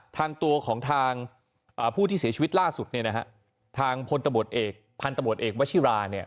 ทางตัวของทางผู้ที่เสียชีวิตล่าสุดเนี่ยนะฮะทางพลตำรวจเอกพันธบทเอกวชิราเนี่ย